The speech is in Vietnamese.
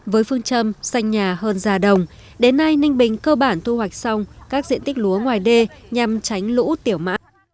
với phương châm xanh nhà hơn già đồng đến nay ninh bình cơ bản thu hoạch xong các diện tích lúa ngoài đê nhằm tránh lũ tiểu mã